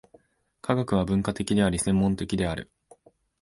科学は分科的であり、専門的である。